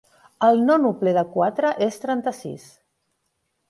El nònuple de quatre és trenta-sis.